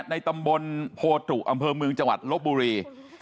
ในตำบลโพตุอำเภอเมืองจังหวัดลบบุรี